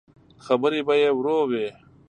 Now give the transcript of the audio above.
خبرې به يې ورو وې.